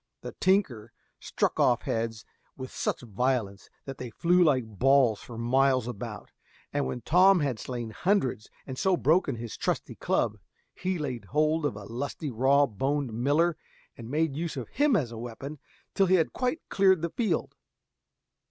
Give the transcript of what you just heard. The tinker struck off heads with such violence that they flew like balls for miles about, and when Tom had slain hundreds and so broken his trusty club, he laid hold of a lusty raw boned miller and made use of him as a weapon till he had quite cleared the field.